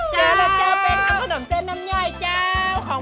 เจอแล้วเจ้าเป็นทำขนมเส้นน้ำย่อยเจ้า